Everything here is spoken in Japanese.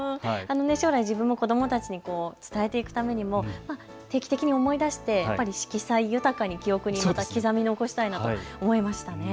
将来、自分の子どもたちに伝えていくためにも定期的に思い出して色彩豊かに記憶に刻み残したいなと思いました。